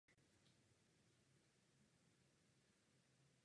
Za nejdůležitější však považuji obecný přístup k občanské iniciativě.